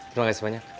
terima kasih banyak